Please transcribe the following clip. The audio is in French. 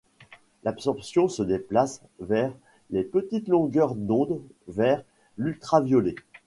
L'absorption se déplace vers les petites longueurs d'onde, vers l'ultraviolet.